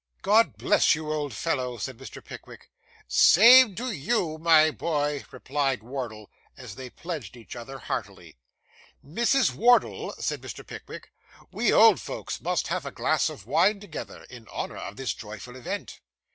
'God bless you, old fellow!' said Mr. Pickwick. 'Same to you, my boy,' replied Wardle; and they pledged each other, heartily. 'Mrs. Wardle,' said Mr. Pickwick, 'we old folks must have a glass of wine together, in honour of this joyful event.